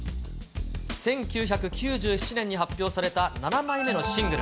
１９９７年に発表された７枚目のシングル。